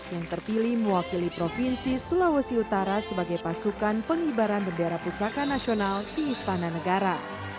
yang terpilih mewakili provinsi sulawesi utara sebagai pasukan pengibaran bendera pusaka nasional di istana negara